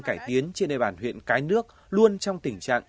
cải tiến trên đề bàn huyện cái nước luôn trong tình trạng